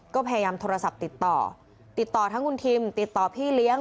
ก็พยายามโทรศัพท์ติดต่อติดต่อทั้งคุณทิมติดต่อพี่เลี้ยง